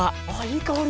いい香り。